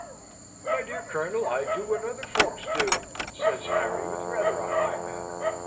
"My dear Colonel, I do what other folks do," says Harry, with rather a high manner.